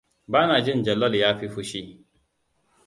Ba na jin Jalal ya yi fushi.